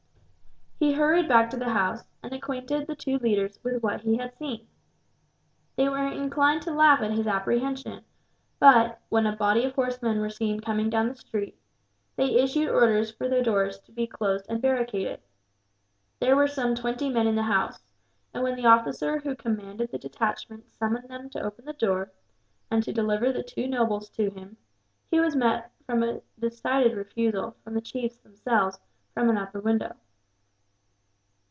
He hurried back to the house, and acquainted the two leaders with what he had seen. They were inclined to laugh at his apprehension but, when a body of horsemen were seen coming down the street, they issued orders for the doors to be closed and barricaded. There were some twenty men in the house, and when the officer who commanded the detachment summoned them to open the door, and to deliver the two nobles to him, he was met by a decided refusal, from the chiefs themselves, from an upper window.